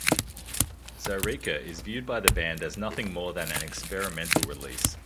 "Zaireeka" is viewed by the band as nothing more than an experimental release.